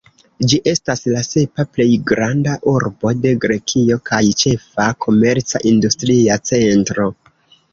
Ĝi estas la sepa plej granda urbo de Grekio kaj ĉefa komerca-industria centro.